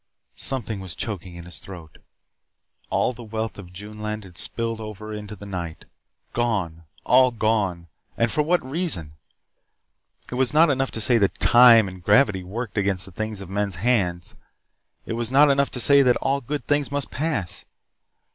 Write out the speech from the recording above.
Something was choking in his throat. All the wealth of June land had spilled over into the night. Gone, all gone! And for what reason? It was not enough to say that time, and gravity worked against the things of men's hands. It was not enough to say that all good things must pass.